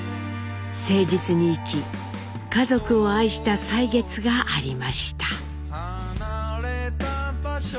誠実に生き家族を愛した歳月がありました。